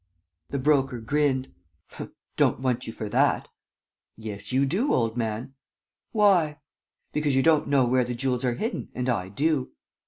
The Broker grinned: "Don't want you for that." "Yes, you do, old man." "Why?" "Because you don't know where the jewels are hidden and I do."